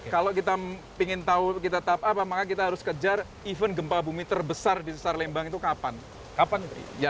kalau kita ingin tahu tahap apa maka kita harus mengejar event gempa bumi terbesar di sesar lembang itu kapan